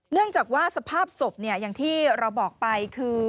เนื่องจากว่าสภาพศพอย่างที่เราบอกไปคือ